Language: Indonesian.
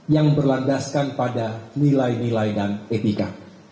yang berlandaskan pada nilai nilai dan etika